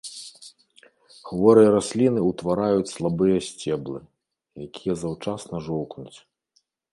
Хворыя расліны ўтвараюць слабыя сцеблы, якія заўчасна жоўкнуць.